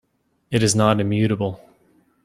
It is not immutable.